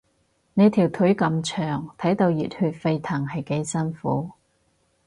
你條腿咁長，睇到熱血沸騰係幾辛苦